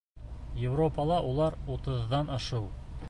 — Европала улар утыҙҙан ашыу.